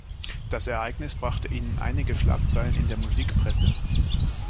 Das Ereignis brachte ihnen einige Schlagzeilen in der Musikpresse.